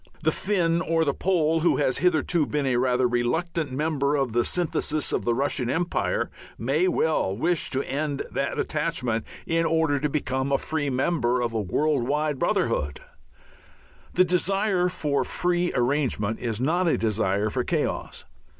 The Finn or the Pole, who has hitherto been a rather reluctant member of the synthesis of the Russian empire, may well wish to end that attachment in order to become a free member of a worldwide brotherhood. The desire for free arrangement is not a desire for chaos.